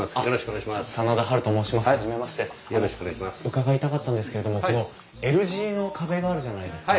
伺いたかったんですけれどもこのＬ字の壁があるじゃないですか。